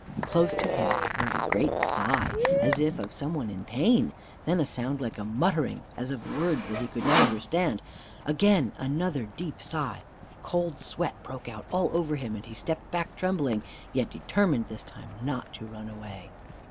Close to him he heard a great sigh, as if of some one in pain, then a sound like a muttering, as of words that he could not understand; again another deep sigh. Cold sweat broke out all over him, and he stepped back trembling, yet determined this time not to run away.